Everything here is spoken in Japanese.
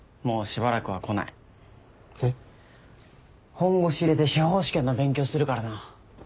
本腰入れて司法試験の勉強するからな。